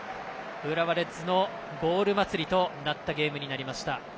浦和レッズのゴール祭りとなったゲームになりました。